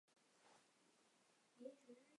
次年他的弟弟克里斯托福加入了党卫队。